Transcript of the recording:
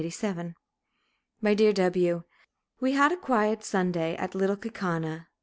My Dear W : We had a quiet Sunday at Little Kaukauna.